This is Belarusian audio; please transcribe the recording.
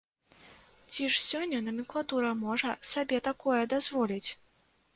Ці ж сёння наменклатура можа сабе такое дазволіць?